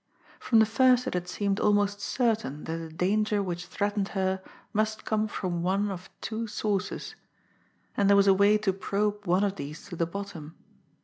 From the first it had seemed almost certain that the danger which threatened her must come from one of two sources and there was a way to probe one of these to the bottom.